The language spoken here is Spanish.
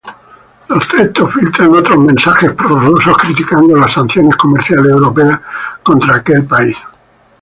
Los textos filtran otros mensajes prorrusos criticando las sanciones comerciales europeas contra aquel país.